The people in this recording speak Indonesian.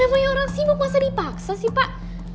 ya namanya orang sibuk masa dipaksa sih pak